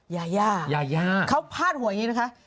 ยายาเขาพาดหัวอย่างนี้นะคะ